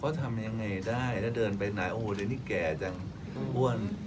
เขาทำยังไงได้แล้วเดินไปไหนโอ้โหเดี๋ยวนี้แก่จังอ้วน